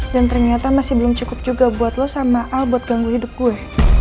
dan ternyata masih belum cukup juga buat lo sama al buat ganggu hidup gue